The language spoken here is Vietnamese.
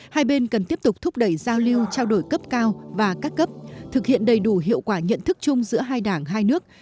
hai bên cần tiếp tục thúc đẩy giao lưu trao đổi cấp cao và các cấp thực hiện đầy đủ hiệu quả nhận thức chung giữa hai đảng hai nước